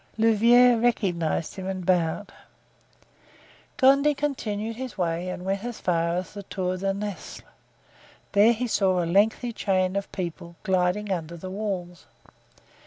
Louvieres recognized him and bowed. Gondy continued his way and went as far as the Tour de Nesle. There he saw a lengthy chain of people gliding under the walls.